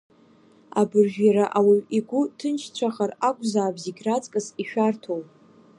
Абыржә иара ауаҩ игәы ҭынчцәахар акәзаап зегь раҵкыс ишәарҭоу.